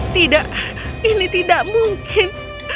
tidak ini tidak mungkin